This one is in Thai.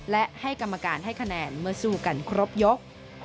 และให้กรรมการให้คะแนนเมื่อสู้กันครบยก